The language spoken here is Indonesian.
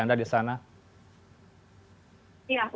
apa informasi anda di sana